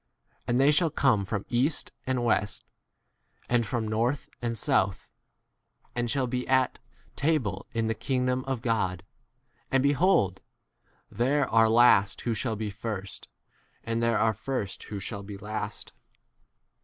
And they shall come from east and west, and from north and south, and shall be at table in the king 30 dom of God. And behold, there are last who shall be first, and there are first who shall be last.